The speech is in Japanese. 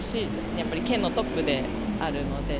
やっぱり県のトップであるので。